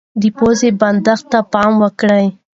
د پوزې بندښت ته پام وکړئ.